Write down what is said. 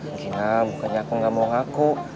mungkin lah bukannya aku gak mau ngaku